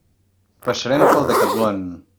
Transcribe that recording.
Passarem pel Decatlon.